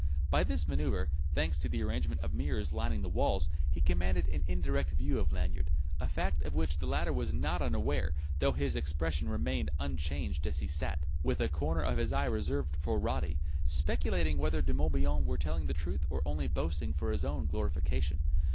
By this manoeuvre, thanks to the arrangement of mirrors lining the walls, he commanded an indirect view of Lanyard; a fact of which the latter was not unaware, though his expression remained unchanged as he sat with a corner of his eye reserved for Roddy speculating whether De Morbihan were telling the truth or only boasting for his own glorification.